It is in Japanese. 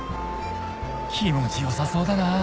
気持ちよさそうだなぁ